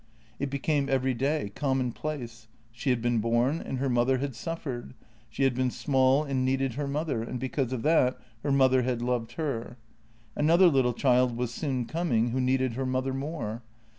It became everyday, commonplace; she had been born and her mother had suffered; she had been small and needed her mother, and be cause of that her mother had loved her. Another little child was soon coming, who needed her mother more.